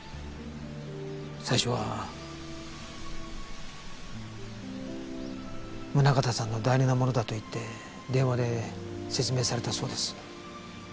最初は宗形さんの代理の者だと言って電話で説明されたそうです。